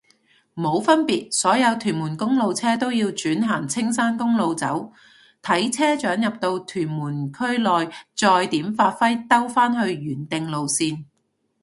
冇分別，所有屯門公路車都要轉行青山公路走，睇車長入到屯門區內再點發揮兜返去原定路線